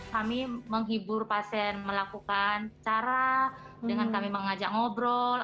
kami menghibur pasien melakukan cara dengan kami mengajak ngobrol